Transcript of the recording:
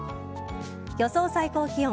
予想最高気温。